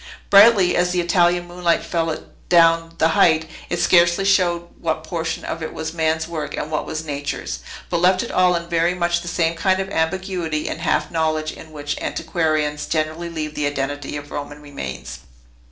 Brightly as the Italian moonlight fell adown the height, it scarcely showed what portion of it was man's work and what was nature's, but left it all in very much the same kind of ambiguity and half knowledge in which antiquarians generally leave the identity of Roman remains.